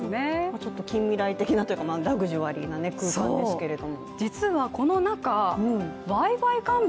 ちょっと近未来的なというかラグジュアリーな空間ですけれども。